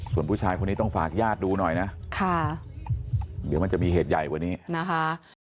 ส่วนผู้ชายคนนี้ต้องฝากญาติดูหน่อยนะค่ะเดี๋ยวมันจะมีเหตุใหญ่กว่านี้นะคะ